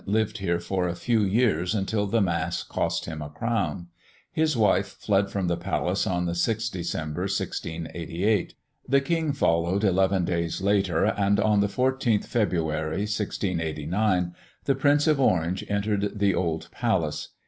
lived here for a few years, until the mass cost him a crown. His wife fled from the palace on the 6th December, 1688. The king followed eleven days later; and on the 14th February, 1689, the Prince of Orange entered the old palace.